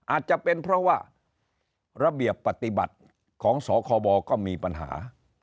อาจจะเป็นเพราะว่าระเบียบปฏิบัติของสคบก็มีปัญหา